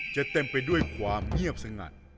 เต็มไปด้วยความเงียบสงัด